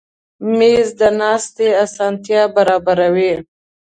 مېز د ناستې اسانتیا برابروي.